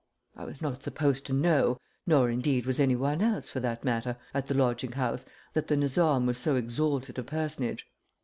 I was not supposed to know, nor, indeed, was any one else, for that matter, at the lodging house, that the Nizam was so exalted a personage.